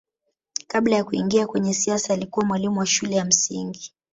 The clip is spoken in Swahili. kabla ya kuingia kwenye siasa alikuwa mwalimu wa shule ya msingi